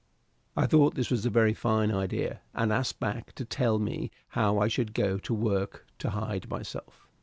I thought this a very fine idea, and asked Back to tell me how I should go to work to hide myself.